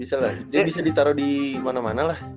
bisa lah bisa ditaro dimana mana lah